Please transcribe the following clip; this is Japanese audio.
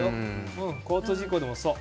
交通事故でもそう。